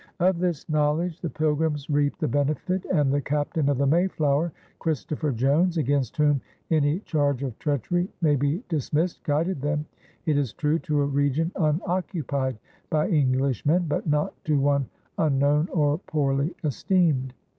Of this knowledge the Pilgrims reaped the benefit, and the captain of the Mayflower, Christopher Jones, against whom any charge of treachery may be dismissed, guided them, it is true, to a region unoccupied by Englishmen but not to one unknown or poorly esteemed.